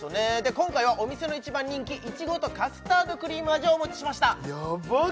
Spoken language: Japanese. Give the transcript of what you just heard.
今回はお店の一番人気いちごとカスタードクリーム味をお持ちしましたヤバっ